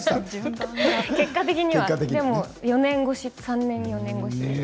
結果的には４年越し３年、４年越し。